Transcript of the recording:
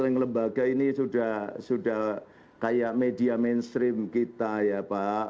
paling lembaga ini sudah kayak media mainstream kita ya pak